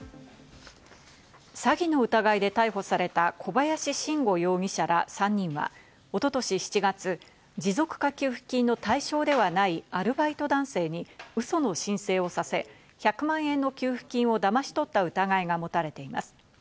詐欺の疑いで逮捕された小林伸吾容疑者ら３人は、一昨年７月、持続化給付金の対象ではないアルバイト男性にウソの申請をさせ、１００万円の給付金をだまし取った疑いがもたれています。